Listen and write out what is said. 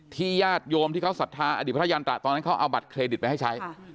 ญาติโยมที่เขาศรัทธาอดีตพระยันตระตอนนั้นเขาเอาบัตรเครดิตไปให้ใช้